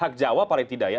hak jawa paling tidak ya